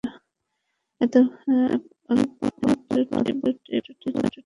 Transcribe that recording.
এরপর বড় পাত্রটিকে ঢাকনা দিয়ে চাপা দিয়ে দিন।